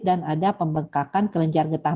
dan ada pembengkakan kelenjar getah